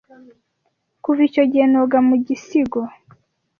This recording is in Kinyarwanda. Kuva icyo gihe noga mu gisigo